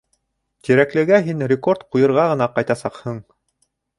Тирәклегә һин рекорд ҡуйырға ғына ҡайтасаҡһың!